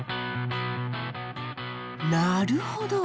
なるほど。